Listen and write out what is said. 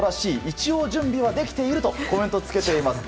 一応、準備はできているとコメントをつけています。